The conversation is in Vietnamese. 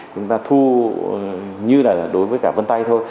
chúng ta thu như là đối với cả vân tay thôi